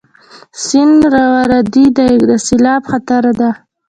سيند راوتی دی، د سېلاب خطره ده